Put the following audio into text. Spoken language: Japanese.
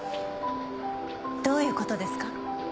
どういう事ですか？